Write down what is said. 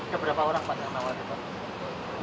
keberapa orang pak yang menawar itu